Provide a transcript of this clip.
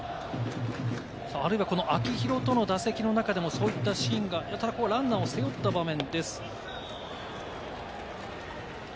秋広との打席の中でも、そういったシーンがランナーを背負った場面で。